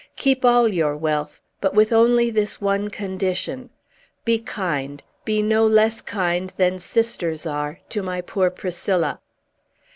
Keep all your wealth, but with only this one condition: Be kind be no less kind than sisters are to my poor Priscilla!"